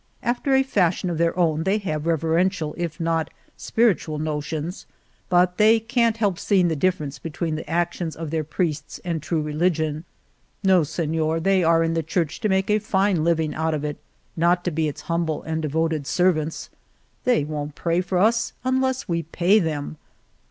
After a fashion of their own they have reverential if not spiritual notions, but they can't help see ing the difference between the actions of their priests and true religion. —No, Seiior — they are in the Church to make a fine living out of it, not to be its humble and devoted ser vants. They won't pray for us unless we pay them